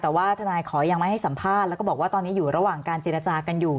แต่ว่าทนายขอยังไม่ให้สัมภาษณ์แล้วก็บอกว่าตอนนี้อยู่ระหว่างการเจรจากันอยู่